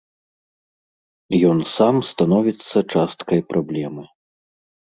Ён сам становіцца часткай праблемы.